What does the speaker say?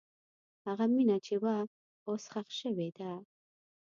هغه مینه چې وه، اوس ښخ شوې ده.